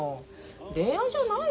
恋愛じゃないわよ。